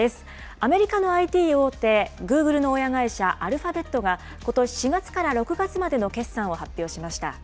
アメリカのＩＴ大手、グーグルの親会社、アルファベットが、ことし４月から６月までの決算を発表しました。